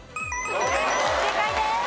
正解です。